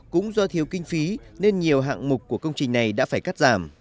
cũng do thiếu kinh phí nên nhiều hạng mục của công trình này đã phải cắt giảm